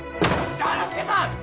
丈之助さん！